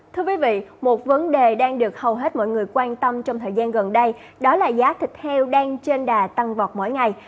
thưa quý vị một vấn đề đang được hầu hết mọi người quan tâm trong thời gian gần đây đó là giá thịt heo đang trên đà tăng vọt mỗi ngày